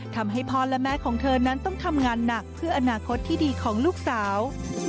ทำให้พ่อและแม่ของเธอนั้นต้องทำงานหนักเพื่ออนาคตที่ดีของลูกสาว